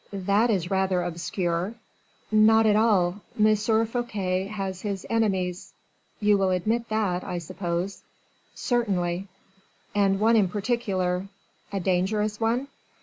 "That is rather obscure." "Not at all: M. Fouquet has his enemies you will admit that, I suppose." "Certainly." "And one in particular." "A dangerous one?"